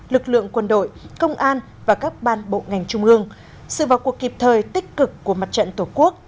lực lượng quân đội công an và các ban bộ ngành trung ương sự vào cuộc kịp thời tích cực của mặt trận tổ quốc